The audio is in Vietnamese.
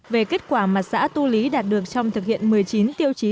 về kết quả mà xã tu lý đạt được trong thực hiện một mươi chín tiêu chí